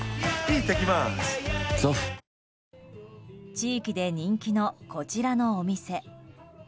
地域で人気の、こちらのお店。